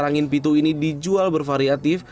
angin pitu ini dijual bervariatif